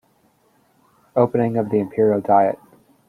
Opening of the Imperial diet.